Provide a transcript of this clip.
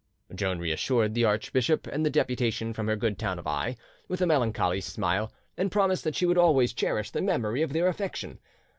Joan reassured the archbishop and the deputation from her good town of Aix with a melancholy smile, and promised that she would always cherish the memory of their affection.